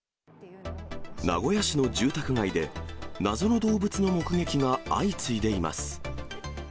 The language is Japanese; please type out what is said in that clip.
名古屋市の住宅街で、謎の動物の目撃が相次いでいます。